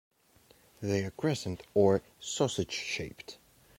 They are crescent- or sausage- shaped.